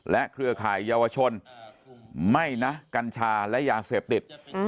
เครือข่ายเยาวชนไม่นะกัญชาและยาเสพติด